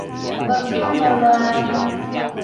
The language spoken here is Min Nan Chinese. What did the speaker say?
無驚無亂